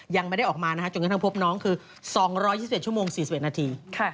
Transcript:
ยังไม่ได้ออกมานะฮะจนกระทั่งพบน้องคือ๒๒๑ชั่วโมง๔๑นาที